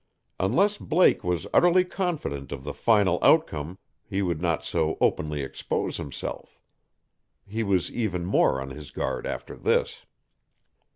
Unless Blake was utterly confident of the final outcome he would not so openly expose himself. He was even more on his guard after this.